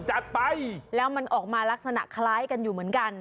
จัดไปแล้วมันออกมาลักษณะคล้ายกันอยู่เหมือนกัน